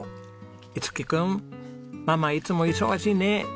樹君ママいつも忙しいね！